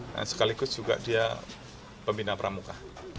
dan sekaligus juga dia pembina pramuka